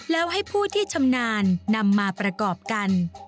แล้วให้ผู้ที่ชำนาญนำมาประกอบกัน